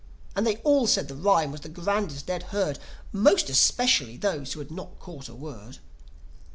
And they all said the rhyme was the grandest they'd heard: More especially those who had not caught a word.